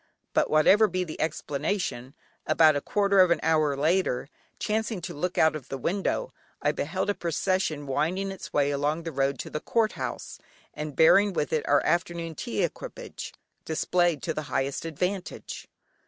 But whatever be the explanation, about a quarter of an hour later, chancing to look out of the window, I beheld a procession winding its way along the road to the Court House, and bearing with it our afternoon tea equipage displayed to the highest advantage.